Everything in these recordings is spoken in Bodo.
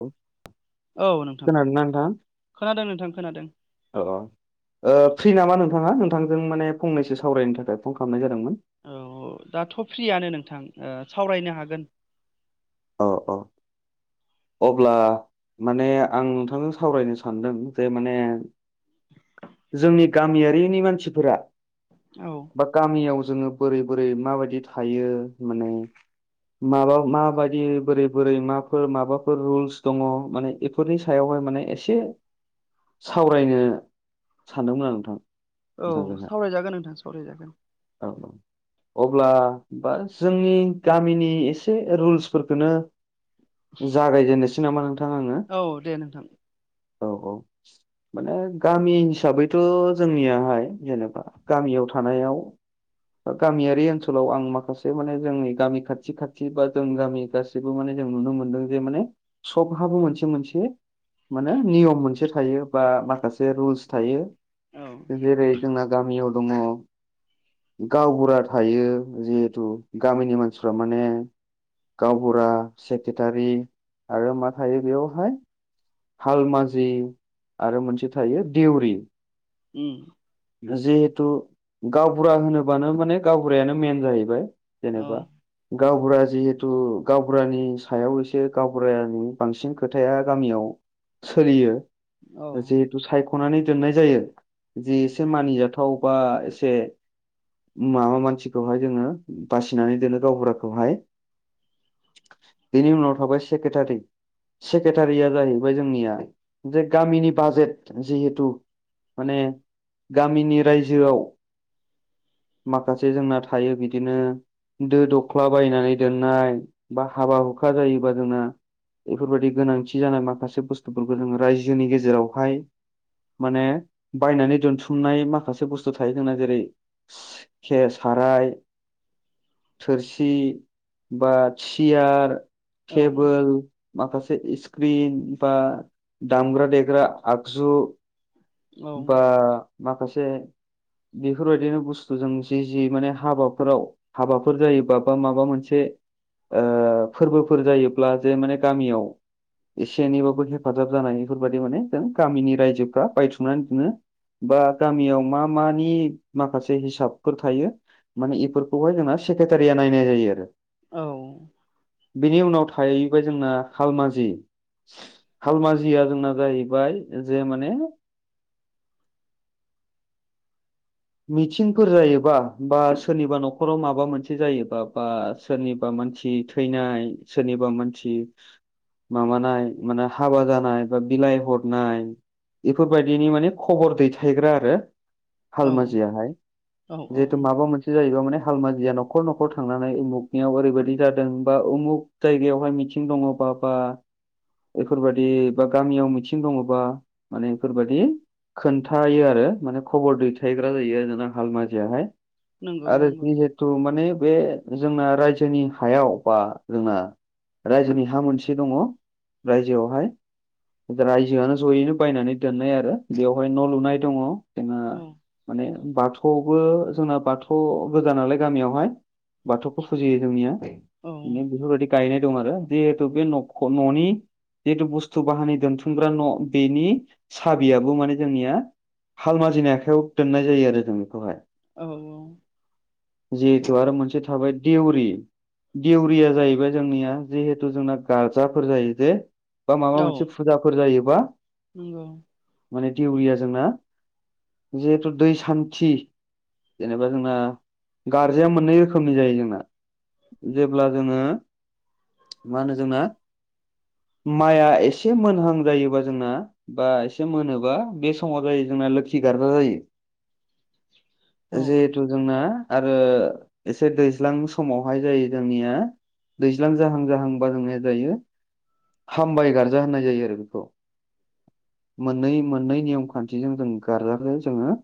औ औ नोंथां खोनादों नोंथां खोनादों ओ फ्रि नामा नोंथांङा नोंथांजों माने फंनैसो सावरायनो थाखाय फन खालामनाय जादों औ दाथ' फ्रियानो नोंथां ओ सावरायनो हागोन औ औ अब्ला माने आं नोंथांजों सावरायनो सानदों जे माने जोंनि गामियारिनि मानसिफोरा औ बा गामियाव जोङो बोरै बोरै माबायदि थायो माने माबा माबायदि बोरै बोरै माफोर माबा फोर रुल्स दंङ माने बेफोरनि सायावहाय माने एसे सावरायनो सानदोंमोन आं नोंथां औ नोंथांजोंहाय सावरायजागोन नोंथां सावरायजागोन औ औ अब्ला बा जोंनि गामिनि एसे रुल्सफोरखौनो जागायजेननोसै नामा नोंथां आंङो औ दे नोंथां औ औ माने गामि हिसाबैथ' जोंनियाहाय जेनेबा गामियाव थानायाव गामियारि ओनसोलाव आं माखासे माने जोंनि गामि खाथि खाथि बा जों गामि गासिबो माने जों नुनो मोनदों जे माने सबहाबो मोनसे मोनसे माने नियम मोनसे थायो बा माखासे रुल्स थायो औ जेरै जोंना गामियाव दङ गावबुरा थायो जिहेथु गामिनि मानसिफ्रा माने गावबुरा सेक्रेटारि आरो मा थायो बेयावहाय हालमाजि आरो मोनसे थायो देउरि उम जिहेथु गावबुरा होनोबानो माने गावबुरायानो मेन जाहैबाय औ जेनेबा गावबुरा जिहे गावबुरानि सायाव एसे गावबुरानि बांसिन खोथाया गामियाव सोलियो औ जिहेथु सायख'नानै दोननाय जायो जि एसे मानिजाथाव बा एसे माबा मानसिखौहाय जोंङो बासिनानै दोनो गावबुराखौहाय बिनि उनाव थाबाय सेक्रेटारि सेक्रेटारिया जाहैबाय जोंनिया जे गामिनि बाजेट जिहेथु माने गामिनि रायजोआव माखासे जोंना थायो बिदिनो दो दख्ला बायनानै दोननाय बा हाबा हुखा जायोबा जोंना। बेफोरबायाददि गोनांथि जानाय माखासे बुस्थुफोरखौ जोङो रायजोनि गेजेरावहाय माने बायनानै दोन थुमनाय माखासे बुस्थु थायो जोंना जेरै खे साराय थोरसि बा सियार औ तेबोल माखासे इस स्क्रिन बा दामग्रा देग्रा आगजु बा माखासे बेफोरबायदिनो बुस्थुजों जि जि माने हाबाफोराव हाबाफोर जायोबा बा माबा मोनसे ओ फोरबोफोर जायोब्ला जे माने गामियाव एसे एनैबाबो हेफाजाब जानाय बेफोरबायाददि माने जों गामिनि रायजोफ्रा बायथुमनानै दोनो बा गामियाव मा मानि माखासे हिसाबफोर थायो। माने बेफोरखौहाय जोंना सेक्रेटारिया नायनाय जायो आरो औ बेनि उनाव थाहैबाय जोंना हालमाजि हालमाजिया जोंना जाहैबाय जे माने मिथिंफोर जायोबा बा सोरनिबा न'खराव माबा मोनसे जायोबा बा सोरनिबा मानसि थैनाय सोरनिबा मानसि माबानाय माने हाबा जानाय बा बिलाइ हरनाय बेफोरबायदिनि माने खबर दैथायग्रा आरो हालमाजियाहाय औ औ जिहेथु माबा मोनसे जायोबा माने हालमाजिय न न'खर न'खर थांनानै उमुगनियाव ओरैबायाददि जादों बा उमुग जायगायावहाय मिथिं दङब बा बेफोरबायादि बा गामियाव मिथिं दङबा माने बेफोरबादि खोन्थायो आरो माने खबर दैथायो थायग्रा जायो आरोना हालमाजियाहाय नंगौ आरो नंगौ जिहेथु माने बे जोंना रायजोनि हायाव बा जोंना रायजोनि हा मोनसे दङ रायजोआवहाय रायजोआनो जयैनो बायनानै दोननाय आरो बेवहाय न' लुनाय दङ जोंना औ माने बाथौआवबो जोंना बाथौ गोजा नालाय गामियावहाय बाथौखौ फुजियो जोंनिया औ बिनो बेफोरबायदि गायनाय दं आरो जिहेतु नख बे न'नि जिहेथु बुस्थु बाहानि दोनथुमग्रा न' बेनि साबियाबो माने जोंनिया हाल माजिनाय आखाइायाव दोननाय जायो आरो जों बेखौहाय औ औ जिहेथु आरो मोनसे थाबाय देउरि देउरिया जाहैबाय जोंनिया जिहेथु जोंना गजाफोर जायो जे बा माबा मोनसे फुजाफोर जायोबा नोंगौ माने दिउरिया जोंना जिहेथु दै सान्थि जेनेबा जोंना गारजाया मोननै रोखोमनि जायो जोंना जेब्ला जोङो मा होनो जोंना माइया एसे मोनहां जायोबा जोंना बा एसे मोनोबा बे समाव जायो जों जोंना लोखि गारजा औ जायो जिहेथु जोंना। आरो एसे दैज्लां समावहाय जायो जोंनिया। दैज्लां जाहां जाहां बा जोंनिया जायो। हामबाय गार्जा होननाय जायो आरो बेखौ। मोननै मोननै नियम खान्थिजों जों गारजा। खौ जोङो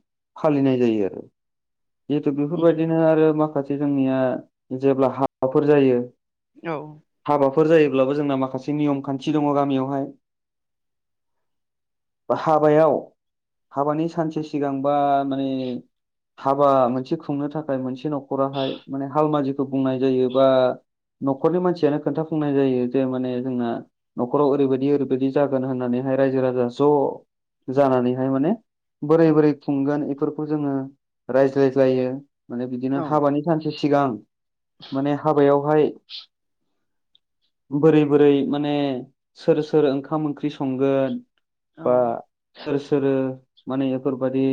फालिनाय जायो आरो जिहेतु उम बेफोरबायदिनो आरो माखासे साखाथि जोंनिया जेब्ला हाबाफोर जायो। औ। फोर जायोब्लाबो जोंना माखासे नियम खान्थि दङ गामियावहाय हाबायाव हाबानि सानसे सिगांबा माने हाबा मोनसे खुंनो थाखाय मोनसे न'खराहाय माने हालमाजिखौ बुंनाय जायो बा न'खरनि मानसियानो खोन्थाफुंनाय जायो जे माने जोंना न'खराव ओरैबायदि ओरैबायदि जागोन होननानै। रायजो राजा ज' जानानैहाय माने बोरै बोरै खुंगोन बेफोरखौ जोङो रायज्लायज्लायो माने औ बिदिनो हाबानि सानसे सिगां माने हाबायावहाय [inaudible] बोरै बोरै माने सोर सोर ओंखाम ओंख्रि संगोन बा सोर सोर माने बेफोरबायदि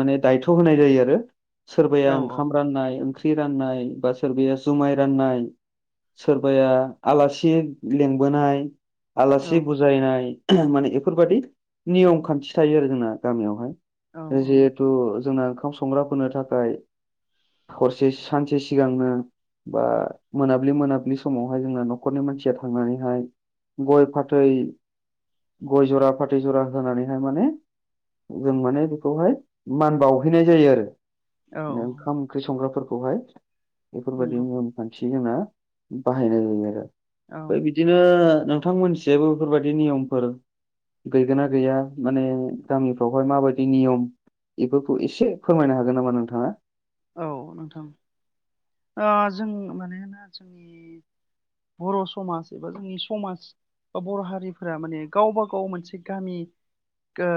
माने दायथ' होनाय जायो आरो। सोरबाया औ ओंखाम राननाय ओंख्रि राननाय बा सोरबाया जुमाय राननाय सोरबाया आलासि लिंबोनाय। औ आलासि बुजायनाय माने बेफोरबायदि नियम खान्थि थायो आरो जोंना। गामियावहाय औ जिहेथु जोंना ओंखाम संग्राफोरनो थाखाय हरसे सानसे सिगांनो बा मोनाबिलि मोनाब्लि समावहाय जोंना न'खरनि मानसिया थांनानैहाय गय फाथै गय जरा फाथै जरा होनानैहाय माने जों माने बेखौहाय मान बावहैनाय जायो आरो औ ओंखाम ओंख्रि संग्राफोरखौ। खौहाय बेफोरबायदि नंगौ नियमखान्थि जोंना बाहायनाय जायो आरो। औ ओमफ्राय बिदिनो नोंथां मोननिथिंजायबो बेफोरबायदि नियमफोर गैगोना गैया माने गामिफ्रावहाय माबायदि नियम बेफोरखौ एसे फोरमायनो हागोन नामा नोंथाङा। औ नोंथां ओ जों मानोना जोंनि बर' समाज एबा जोंनि समाज बा बर' हारिफोरा माने गावबा गाव मोनसे गामि ओ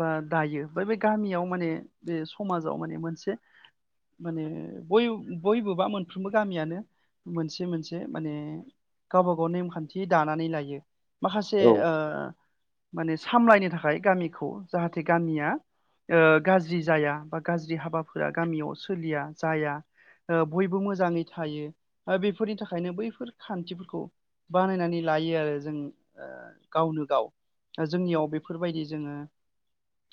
बा दायो बैबे गामियाव माने बे समाजाव माने मोनसे माने बय बयबोबा मोनफ्रोमबो गामियानो मोनसे मोनसे माने गावबागाव नेमखान्थि दानानै लायो। माखासे औ ओ माने सामलायनो थाखाय गामिखौ जाहाथे गामिया ओ गाज्रि जाया बा गाज्रि हाबाफोरा गामियाव सोलिया जाया ओ बयबो मोजाङै थायो बेफोरनि थाखायनो बैफोर खान्थिफोरखौ बानायनानै लायो आरो जों गावनो गाव। जोंनियाव बेफोरबायदि जोङो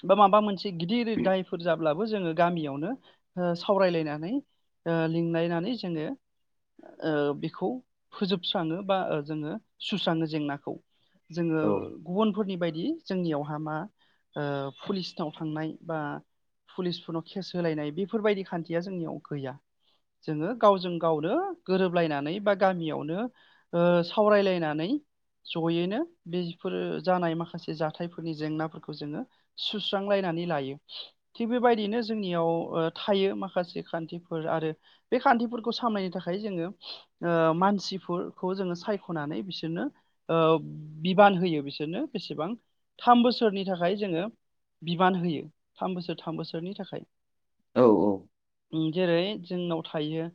बा माबा मोनसे गिदिर दायफोर जाब्लाबो जोङो गामियावनो ओ सावरायलायनानै लिंलायनानै जोङो ओ बेखौ फोजोबस्राङो बा जोङो सुस्राङो जेंनाखौ जोङो औ गुबुन फोरनि बायदि जोंनियावहा मा पुलिसनाव थांनाय बा पुलिसफोरनाव केस होलायनाय बेफोरबायदि खान्थिया जोंनियाव गैया। जोङो गावजों गावनो गोरोबलायनानै बा गामियावनो ओ सावरायलायनानै जयैनो बेफोर जानाय माखासे जाथायफोरनि जेंनाफोरखौ जोङो सुस्रांलायनानै नै लायो थिग बेबायदिनो जोंनियाव थायो माखासे खान्थिफोर आरो बे खान्थिफोरखौ सामलायनो थाखाय जोङो मानसि फोरखौ जोङो सायख'नानै बिसोरनो ओ बिबान होयो। बिसोरनो बेसेबां थाम बोसोरनि थाखाय जोङो बिबान होयो। थाम बोसोर थाम बोसोरनि थाखाय। औ औ। ओं जेरै जोंनाव थायो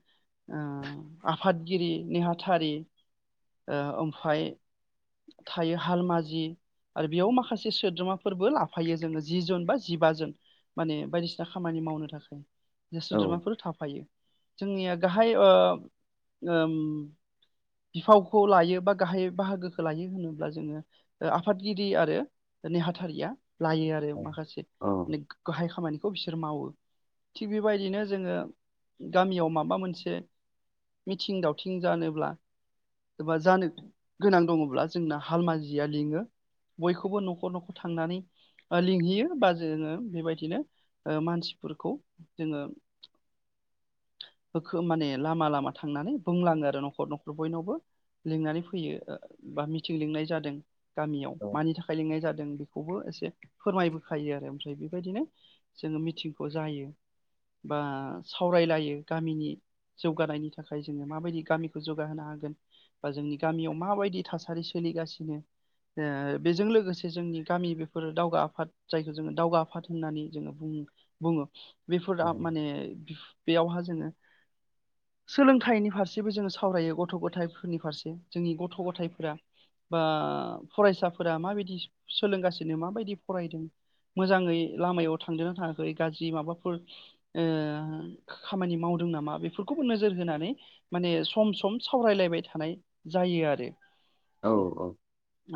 आफादगिरि नेहाथारि ओ ओमफ्राय थायो हाल माजि आरो बेयाव माखासे सोद्रोमाफोरबो लाफायो जोङो जि जन बा जिब जोन। माने बायदिसिना खामानि मावनो थाखाय औ सोद्रोमाफोर थाफायो। जोंनिया गाहाय बिफावखौ लायो बा गाहाय बाहागोखौ लायो होनोब्ला जोङो आफादगिरि आरो नेहाथारिया लायो आरो माखासे औ गाहाय खामानिखौ बिसोर मावो। थिग बेबायदिनो जोङो गामियाव माबा मोनसे मिथिं दावथिं जानोब्ला एबा जानो गोनां दङब्ला जोंना हालमा जिया लिङो। बयखौबो न'खर न'खर थांनानै लिंहैयो बा जोङो बेबायदिनो मानसिफोरखौ जोङो होखो माने लामा लामा थांनानै बुंलाङो आरो न'खर न'खर बयनावबो लिंनानै फैयो बा मिथिं लिंनाय जादों गामियाव मानि थाखाय लिंनाय जादों बेखौ खौबो एसे फोरमायबोखायो आरो ओमफ्राय बेबायदिनो जोङो मिथिंखौ जायो। बा सावरायलायो गामिनि जौगानायनि थाखाय जोङो माबायदि गामिखौ जौगाहोनो हागोन। बा जोंनि गामियाव माबायदि थासारि सोलिगासिनो बेजों लोगोसे जोंनि गामि बेफोर दावगा आफाद जायखौ जोङो दावगा आफाद होननानै जोङो बुङो। बुङो बेफोर माने बेयावहा जोङो सोलोंथाइनि फारसेबो जोङो सावरायो गथ' गथायफोरनि फारसे जोंनि गथ' गथायफोरा बा फरायसाफोरा माबायदि सोलोंगासिनो माबायदि फरायदों मोजाङै लामायाव थांजना थाङाखै गाज्रि माबा खामानि मावदों नामा बेफोरखौबो नोजोर होनानै माने सम सम सावरायलायबाय थानाय जायो आरो औ औ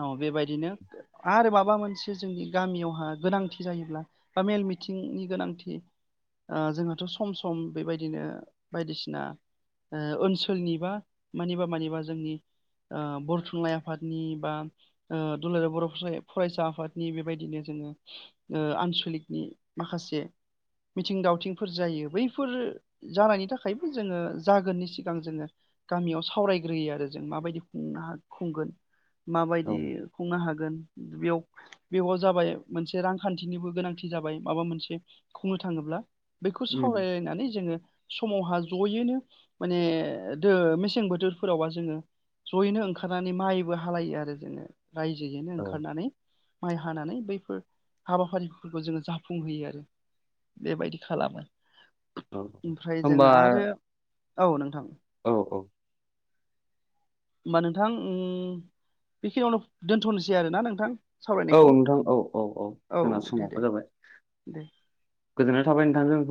औ बेबायदिनो? आरो माबा मोनसे जोंनि गामियावहा गोनांथि जायोब्ला बा मेल मिथिंनि गोनांथि जोंहाथ' सम सम बेबायदिनो बायदिसिना ओनसोलनिबा मानिबा मानिबा जोंनि बर' थुनलाइ आफादनि बा दुलाराय बर' फरायसा आफादनि बेबायदिनो जों आनसलिकनि माखासे मिथिं दावथिंफोर जायो बैफोर जानायनि थाखायबो जोङो जागोननि सिगां जोङो गामियाव सावरायग्रोयो आरो जों माबायदि खुंनो खुंगोन। माबायदि औ खुंनो हागोन। बेयाव बेयाव जाबाय मोनसे रांखान्थिनिबो गोनांथि जाबाय माबा मोनसे बुंनो थाङोब्ला बेखौ उम सावरायलायनानै जोङो समावहा जयैनो माने दो मेसें बोथोरफोरावबा जोङो ज'यैनो ओंखारनानै माइबो हालायो आरो जोंङो रायजोयैनो औ ओंखारनानै माइ हानानै बैफोर हाबाफारिफोरखौ जोङो जाफुंहोयो आरो। बेबायदि खालामो औ ओमफ्राय होमबा जोङो आरो औ नोंथां औ औ होमबा नोंथां बेखिनियावनो दोन्थ'नोसै आरोना नोंथां औ सावरायनायखौ नोंथां औ औ औ जोंना दे दे सावख जाबाय। दे गोजोनाव थाबाय नोंथां जों।